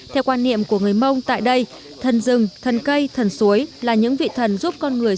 theo quan niệm của người mông tại đây thần rừng thần cây thần suối là những vị thần giúp con người